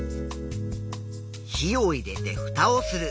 火を入れてふたをする。